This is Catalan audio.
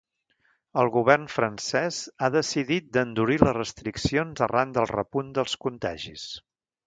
El govern francès ha decidit d’endurir les restriccions arran del repunt dels contagis.